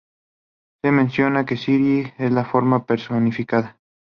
Se menciona que Sri es la fortuna personificada.